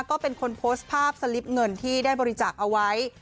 ก็เป็นคนโพสต์ภาพสลิปเงินที่ได้บริจาคเอาไว้